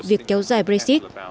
việc kéo dài brexit